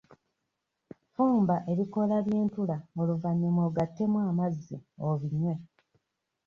Fumba ebikoola by'entula oluvannyuma ogattemu amazzi obinywe.